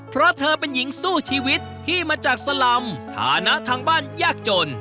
เพราะเธอเป็นหญิงสู้ชีวิตที่มาจากสลำฐานะทางบ้านยากจน